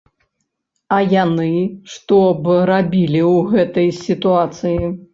А яны што б рабілі ў гэтай сітуацыі?